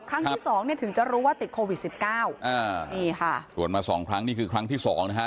ครั้งที่สองเนี่ยถึงจะรู้ว่าติดโควิดสิบเก้าอ่านี่ค่ะตรวจมาสองครั้งนี่คือครั้งที่สองนะฮะ